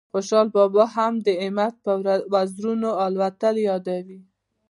خوشال بابا هم د همت په وزرونو الوتل یادوي